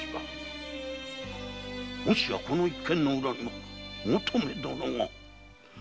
もしやこの一件の裏に求馬殿が？